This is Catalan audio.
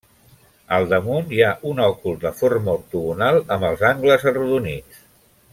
Al damunt hi ha un òcul de forma ortogonal amb els angles arrodonits.